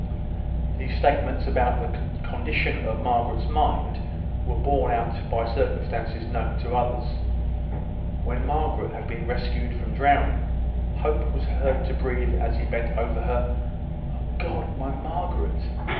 These statements about the condition of Margaret's mind were borne out by circumstances known to others. When Margaret had been rescued from drowning, Hope was heard to breathe, as he bent over her, "Oh God! my Margaret!"